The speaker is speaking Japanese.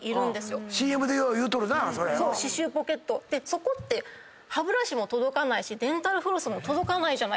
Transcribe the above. そこって歯ブラシも届かないしデンタルフロスも届かない。